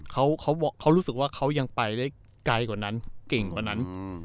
เขาเขารู้สึกว่าเขายังไปได้ไกลกว่านั้นเก่งกว่านั้น